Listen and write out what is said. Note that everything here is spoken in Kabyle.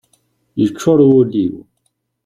Yeččur wul-iw.